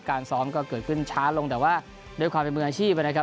การซ้อมก็เกิดขึ้นช้าลงแต่ว่าด้วยความเป็นมืออาชีพนะครับ